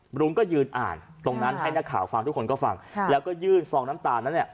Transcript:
รุ้งก็ยืนอ่านตรงนั้นให้นักข่าวฟังทุกคนก็ฟังแล้วก็ยื่นซองน้ำตาลนั้นเนี่ย